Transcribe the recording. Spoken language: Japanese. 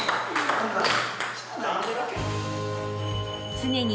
［常に］